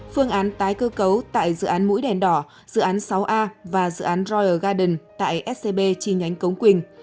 phương án tái cơ cấu tại dự án mũi đèn đỏ dự án sáu a và dự án royer garden tại scb chi nhánh cống quỳnh